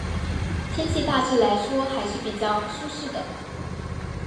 天气大致来说还是比较舒适的。